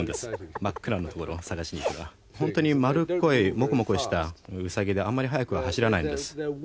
真っ暗な所を探しにいけば本当に丸っこいもこもこしたウサギであんまり速くは走らないんです。